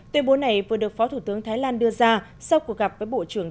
tuyên bố này vừa được phó thủ tướng thái lan đưa ra sau cuộc gặp với bộ trưởng